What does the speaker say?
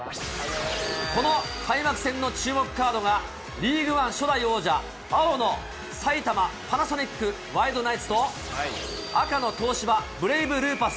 この開幕戦の注目カードが、リーグワン初代王者、青の埼玉パナソニックワイルドナイツと、赤の東芝ブレイブルーパス